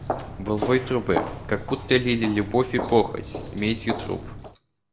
Был вой трубы – как будто лили любовь и похоть медью труб.